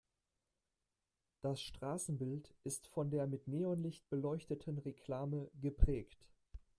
Das Straßenbild ist von der mit Neonlicht beleuchteten Reklame geprägt.